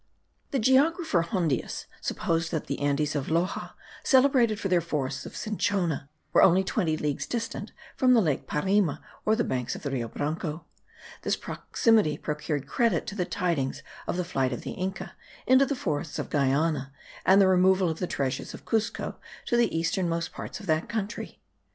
The geographer Hondius supposed that the Andes of Loxa, celebrated for their forests of cinchona, were only twenty leagues distant from the lake Parima, or the banks of the Rio Branco. This proximity procured credit to the tidings of the flight of the Inca into the forests of Guiana, and the removal of the treasures of Cuzco to the easternmost parts of that country.